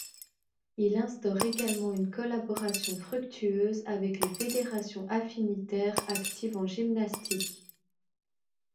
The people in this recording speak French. Il instaure également une collaboration fructueuse avec les fédérations affinitaires actives en gymnastique.